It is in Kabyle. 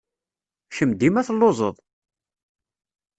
Kemm dima telluẓed!